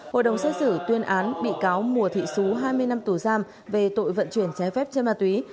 hội đồng xét xử tuyên án bị cáo mùa thị xú hai mươi năm tù giam về tội vận chuyển trái phép trên ma túy